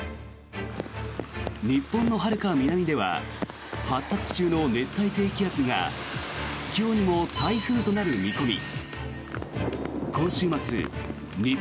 日本のはるか南では発達中の熱帯低気圧が今日にも台風となる見込み。